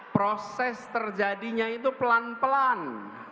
proses terjadinya itu pelan pelan